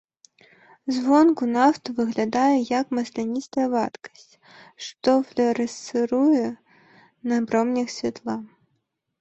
Звонку нафта выглядае як масляністая вадкасць, што флюарэсцыруе на промнях святла.